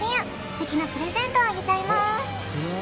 ステキなプレゼントをあげちゃいます